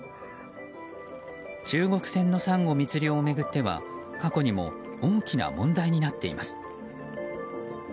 中国船のサンゴ密漁を巡っては過去にも大きな問題になっています。